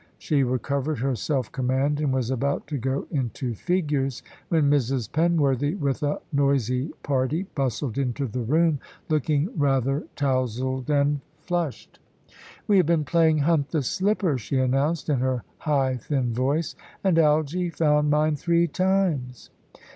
She recovered her self command, and was about to go into figures, when Mrs. Penworthy with a noisy party bustled into the room, looking rather tousled and flushed. "We have been playing 'Hunt the Slipper,'" she announced, in her high, thin voice, "and Algy found mine three times."